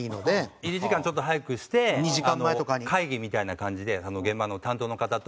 入り時間ちょっと早くしてあの会議みたいな感じでその現場の担当の方と。